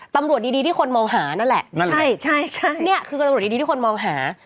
ตำรวจดีดีที่คนมองหานั่นแหละนั่นใช่ใช่นี่คือตำรวจดีที่คนมองหา